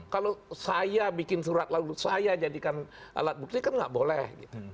kalau saya bikin surat lalu saya jadikan alat bukti kan nggak boleh